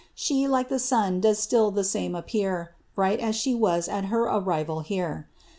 She, like the sun, does still the same appear, Bright as she was at her arrival here.